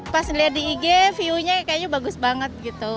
pas ngeliat di ig view nya kayaknya bagus banget gitu